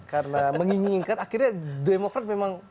karena menginginkan akhirnya demokrat memang